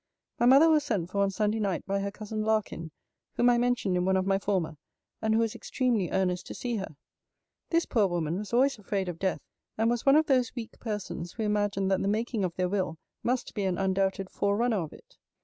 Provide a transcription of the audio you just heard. My mother was sent for on Sunday night by her cousin Larkin, whom I mentioned in one of my former, and who was extremely earnest to see her. This poor woman was always afraid of death, and was one of those weak persons who imagine that the making of their will must be an undoubted forerunner of it.